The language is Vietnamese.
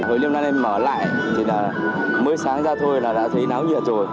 hội lim đang nên mở lại thì là mới sáng ra thôi là đã thấy náo nhiệt rồi